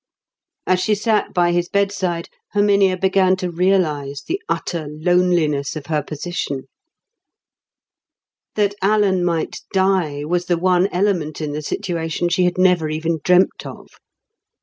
As she sat by his bedside, Herminia began to realise the utter loneliness of her position. That Alan might die was the one element in the situation she had never even dreamt of.